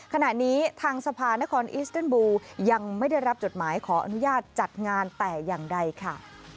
ขณะนี้ทางสภานครอิสเติลบูลยังไม่ได้รับจดหมายขออนุญาตจัดงานแต่อย่างใดค่ะ